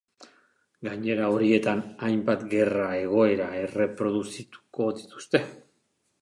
Gainera, horietan, hainbat gerra egoera erreproduzituko dituzte.